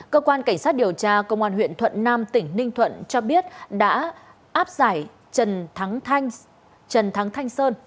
cơ quan cảnh sát điều tra công an huyện thuận nam tỉnh ninh thuận cho biết đã áp giải trần thắng trần thắng thanh sơn